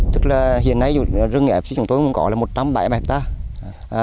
tức là hiện nay rừng fsc chúng tôi cũng có là một trăm bảy mươi hectare